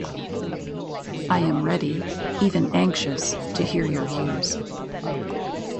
I am ready, even anxious, to hear your views.